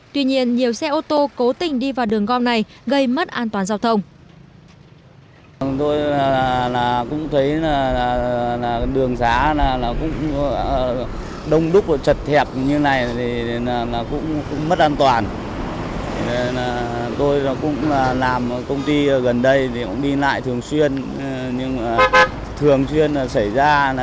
tuy nhiên nhiều xe ô tô cố tình đi vào đường gom này gây mất an toàn giao thông